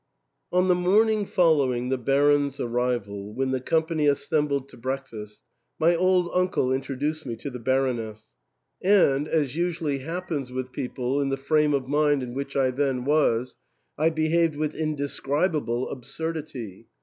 On the morning following the Baron's arrival, when the company assembled to breakfast, my old uncle in troduced me to the Baroness ; and, as usually happens with people in the frame of mind in which I then was, I behaved with indescribable absurdity.